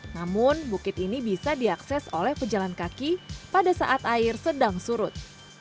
namun bukit ini bisa diakses oleh pejalan kaki pada saat air sedang surut